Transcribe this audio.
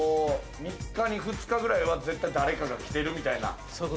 ３日に２日くらいは絶対誰かが来てるみたいな。